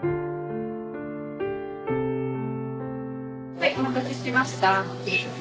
はいお待たせしました。